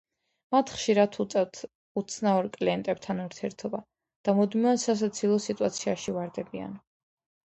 მათ ხშირად უწევთ უცნაურ კლიენტებთან ურთიერთობა და მუდმივად სასაცილო სიტუაციაში ვარდებიან.